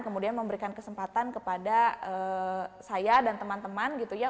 kemudian memberikan kesempatan kepada saya dan teman teman gitu ya